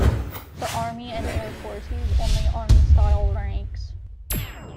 The army and air force use only army-style ranks.